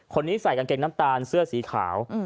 คนนี้ใส่กางเกงน้ำตาลเสื้อสีขาว